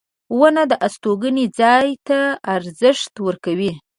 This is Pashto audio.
• ونه د استوګنې ځای ته ارزښت ورکوي.